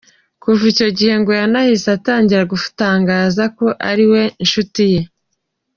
Kuva icyo gihe ngo yanahise atangira gutangaza ko ariwe nshuti ye.